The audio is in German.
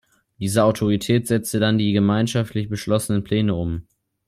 Diese Autorität setzte dann die gemeinschaftlich beschlossenen Pläne um.